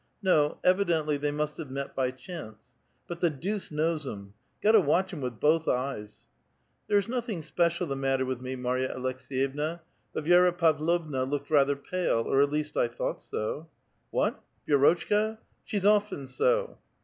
No, evidently they must have met by chance. But the deuce knows 'em ! Got to watch 'em with both eyes.") ''There is nothhig special the matter with me, Marya Alekseyevna ; but Vi^ra Pavlova looked rather pale, or at least I thought so." " What? Vi^rotchka? She's often so."